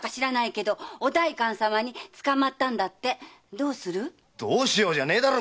「どうする」じゃねえだろ！